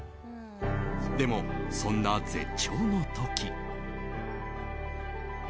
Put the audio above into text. でも、そんな絶頂の時。